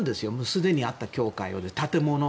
すでにあった教会建物を。